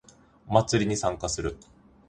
お祭りに参加する